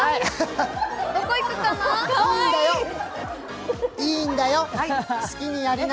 どこ行くかな。